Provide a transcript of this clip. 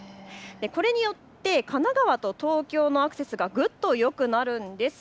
これによって神奈川と東京のアクセスがぐっとよくなるんです。